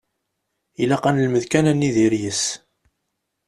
Ilaq ad nelmed kan ad nidir yis-s.